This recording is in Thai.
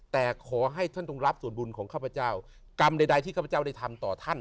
แต่ขอให้ท่านต้องรับส่วนบุญของข้าพเจ้ากรรมใดที่ข้าพเจ้าได้ทำต่อท่าน